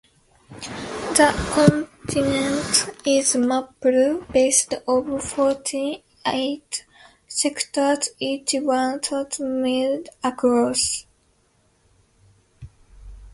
The continent is mapped based on forty-eight "sectors", each one thousand miles across.